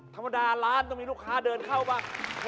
ธรรมดาร้านต้องมีลูกค้าเดินเข้าบ้าง